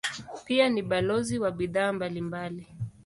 Pia ni balozi wa bidhaa mbalimbali.